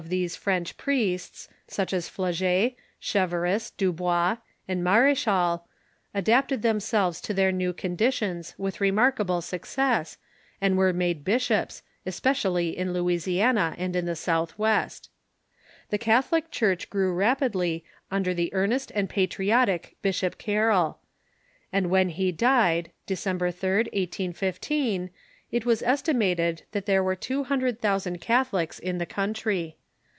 THE ROMAN CATHOLIC CHURCH 541 these French priests, such as Flaget, Cbeverus, Dubois, and Marechal, adapted themselves to their new conditions with re markable success, and were made bishops, especially in Loui siana and in the Southwest. The Catholic Church grew rap idly under the earnest and patriotic Bishop Carroll ; and when he died, December 3d, 1815, it was estimated that there were two hundred thousand Catholics in the country.